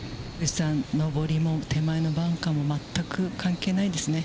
上りも手前のバンカーも、全く関係ないですね。